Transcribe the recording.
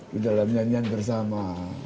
di dalam nyanyian bersama